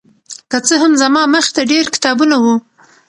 که څه هم زما مخې ته ډېر کتابونه وو